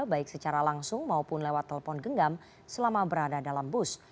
baik secara langsung maupun lewat telepon genggam selama berada dalam bus